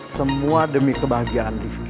semua demi kebahagiaan rifki